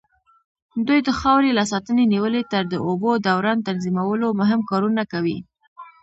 دوی د خاورې له ساتنې نيولې تر د اوبو دوران تنظيمولو مهم کارونه کوي.